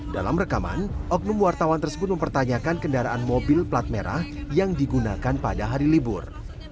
dalam rekaman oknum wartawan tersebut mempertanyakan kendaraan mobil plat merah yang digunakan pada hari libur